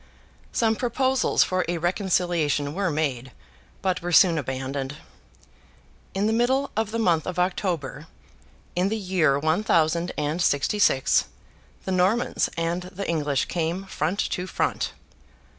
Some proposals for a reconciliation were made, but were soon abandoned. In the middle of the month of October, in the year one thousand and sixty six, the Normans and the English came front to front.